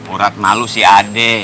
urat malu sih ada